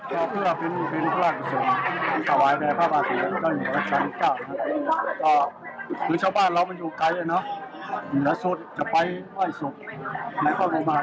ยังไงคุณภัยวัตราเดือนนี้แบกรับความหนังอึ้งไว้ในตัวของท่าน